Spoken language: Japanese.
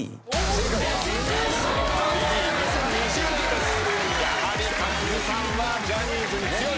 やはり勝地さんはジャニーズに強い。